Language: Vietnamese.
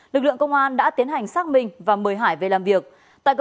lực lượng công an đã tiến hành xác minh và mời hải về làm việc